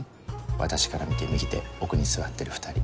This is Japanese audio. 私から見て右手奥に座ってる２人。